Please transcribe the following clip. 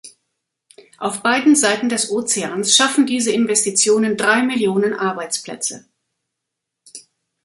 Auf beiden Seiten des Ozeans schaffen diese Investitionen drei Millionen Arbeitsplätze.